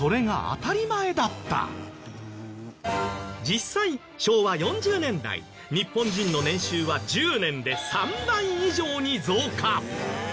実際昭和４０年代日本人の年収は１０年で３倍以上に増加。